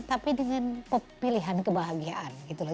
tapi dengan pilihan kebahagiaan gitu loh